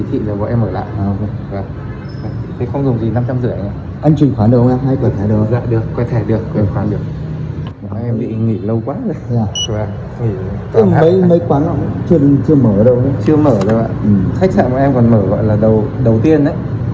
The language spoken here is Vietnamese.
chưa mở đâu ạ khách sạn mà em còn mở gọi là đầu tiên đấy